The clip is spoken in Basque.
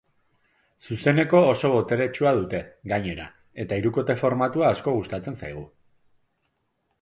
Zuzeneko oso boteretsua dute, gainera, eta hirukote formatua asko gustatzen zaigu.